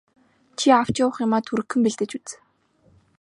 Чи авч явах юмаа түргэхэн бэлдэж үз.